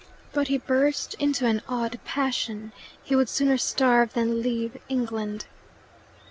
But he burst into an odd passion: he would sooner starve than leave England.